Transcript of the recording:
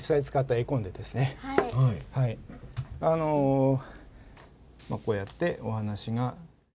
あのまあこうやってお話が。